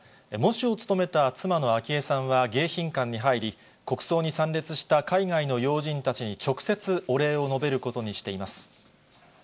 喪主を務めた妻の昭恵さんは、迎賓館に入り、国葬に参列した海外の要人たちに直接お礼を述べることにしています。